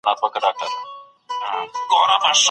که ته مرسته وکړې، خلګ خوشحالېږي.